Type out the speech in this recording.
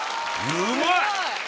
うまい！